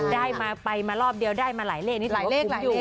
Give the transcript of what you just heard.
ได้มาไปมารอบเดียวได้มาหลายเลขนี่ถูกว่าคุ้มอยู่